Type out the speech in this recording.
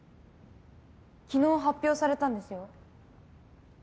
昨日発表されたんですよ。